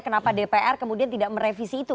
kenapa dpr kemudian tidak merevisi itu